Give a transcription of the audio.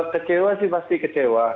kecewa sih pasti kecewa